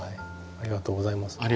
ありがとうございます。